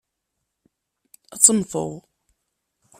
Ad temteḍ.